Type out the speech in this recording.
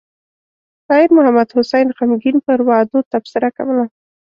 شاعر محمد حسين غمګين پر وعدو تبصره کوله.